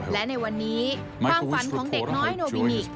และในวันนี้ความฝันของเด็กน้อยโนบินิก